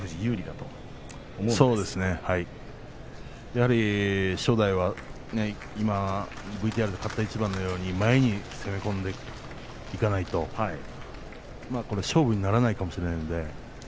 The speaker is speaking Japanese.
やはり正代は、今ＶＴＲでも勝った一番のように前に攻め込んでいかないと勝負にならないかもしれません。